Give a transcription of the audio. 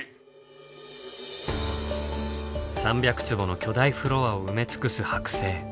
３００坪の巨大フロアを埋め尽くす剥製。